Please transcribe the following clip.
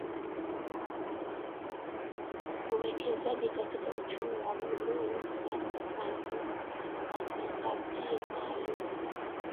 Uwekezaji katika uchumi wa buluu una mazingatio maalum